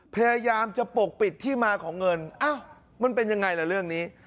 พยายามจะปกปิดที่มาของเงินอ้าวมันเป็นยังไงล่ะเรื่องนี้